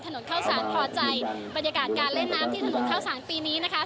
ถนนเข้าสารพอใจบรรยากาศการเล่นน้ำที่ถนนเข้าสารปีนี้นะคะ